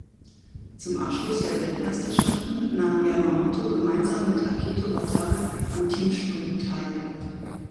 Zum Abschluss der Weltmeisterschaften nahm Yamamoto gemeinsam mit Akito Watabe am Teamsprint teil.